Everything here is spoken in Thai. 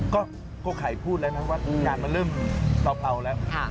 ก็โกไข่พูดแล้วนะว่างานมันเริ่มเบาแล้ว